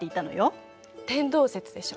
「天動説」でしょ？